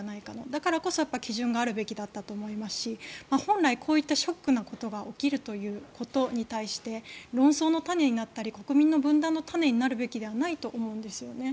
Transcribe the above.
だからこそ基準があるべきなんじゃないかと思いますし本来、こういうショックなことが起きるということに対して論争の種になったり国民の分断の種になるべきではないと思うんですよね。